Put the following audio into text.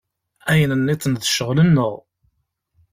Ayen nniḍen d ccɣel-nneɣ.